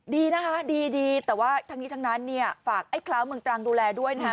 ดีนะคะดีแต่ว่าทั้งนี้ทั้งนั้นเนี่ยฝากไอ้คล้าวเมืองตรังดูแลด้วยนะฮะ